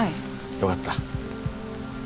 よかった。